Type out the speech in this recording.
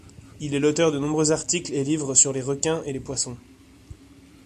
Il est l'auteur de nombreux articles et livres sur les requins et les poissons.